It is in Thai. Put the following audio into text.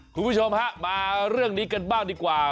คุณผู้ชมฮะมาเรื่องนี้กันบ้างดีกว่า